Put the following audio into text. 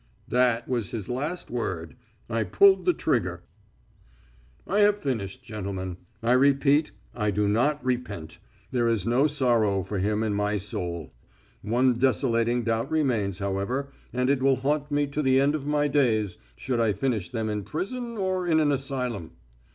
That was his last word. I pulled the trigger. I have finished, gentlemen. I repeat: I do not repent. There is no sorrow for him in my soul. One desolating doubt remains, however, and it will haunt me to the end of my days, should I finish them in prison or in an asylum.